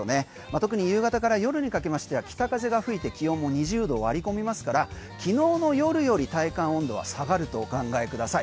特に夕方から夜にかけましては北風が吹いて気温も２０度割り込みますから昨日の夜より体感温度は下がるとお考えください。